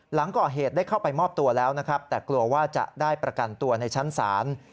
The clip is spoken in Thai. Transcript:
หลังก่อเหตุได้เข้าไปมอบตัวแล้วนะครับแต่กลัวว่าจะได้ประกันตัวในชั้นศาล